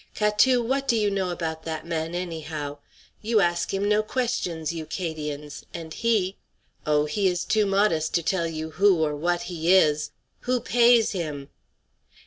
Catou, what do you know about that man, anyhow? You ask him no questions, you 'Cadians, and he oh, he is too modest to tell you who or what he is. _Who pays him?